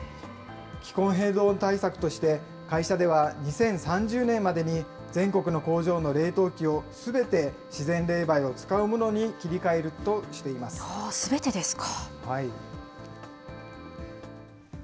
気候変動対策として、会社では２０３０年までに、全国の工場の冷凍機をすべて自然冷媒を使うものに切り替えるとしすべてですか。